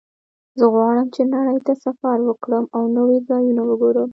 زه غواړم چې نړۍ ته سفر وکړم او نوي ځایونه وګورم